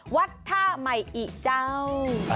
วัดท่าใหม่อิเจ้า